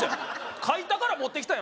書いたから持ってきたんやろ？